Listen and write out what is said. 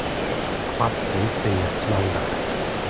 パパッと一手にやっちまうんだから。